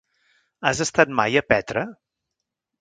Has estat mai a Petra?